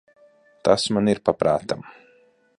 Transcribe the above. Tas man ir pa prātam.